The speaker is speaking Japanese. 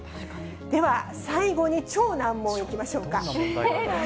では、最後に超難問いきましょうか。